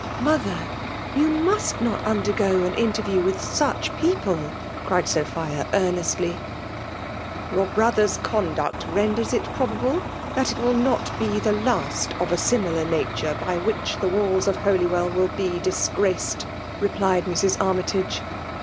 '' Mother ! you must not undergo an in terview with such people !'' cried Sophia earnestly. «4 €< FEMALE DOMINATION. 229 "Your brother*s conduct renders it pro bable that it will not be the last of a similar nature by which the walls of Holywell will be dii^aced/' replied Mrs. Armytage.